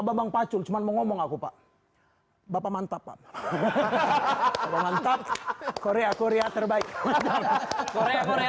bambang pacu cuman mau ngomong aku pak bapak mantap pak mantap korea korea terbaik korea korea